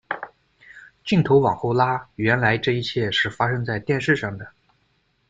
镜头往后拉，原来这一切是发生在电视上的。